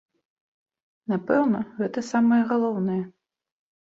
Напэўна, гэта самае галоўнае.